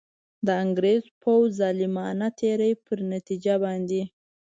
د انګرېز پوځ ظالمانه تېري پر نتیجه باندي.